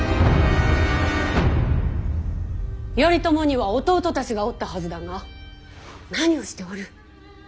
頼朝には弟たちがおったはずだが何をしておる。